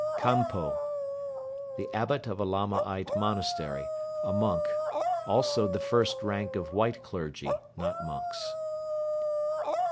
Kanpo. The abbot of a Lamaite monastery, a monk; also the first rank of "white" clergy (not monks).